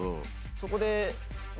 そこで。